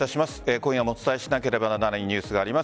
今夜もお伝えしなければならないニュースがあります。